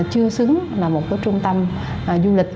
chưa xứng là một trung tâm du lịch